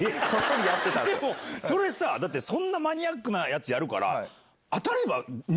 それさそんなマニアックなやつやるから。